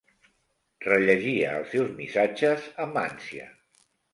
Rellegia els seus missatges amb ànsia.